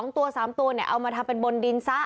ตัว๓ตัวเอามาทำเป็นบนดินซะ